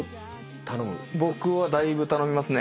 僕はだいぶ頼みますね。